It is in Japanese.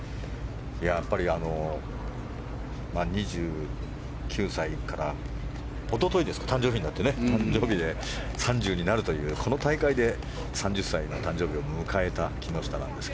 やっぱり２９歳からおとといですか誕生日で３０歳になるというこの大会で３０歳の誕生日を迎えた木下なんですが。